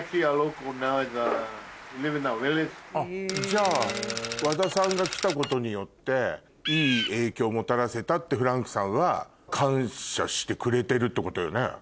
じゃあ和田さんが来たことによっていい影響をもたらせたってフランクさんは感謝してくれてるってことよね。